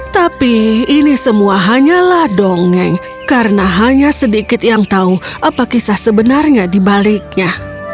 tapi ini semua hanyalah dongeng karena hanya sedikit yang tahu apa kisah sebenarnya dibaliknya